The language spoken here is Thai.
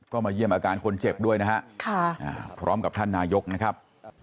ก็มาเยี่ยมอาการคนเจ็บด้วยนะฮะพร้อมกับท่านนายกนะครับ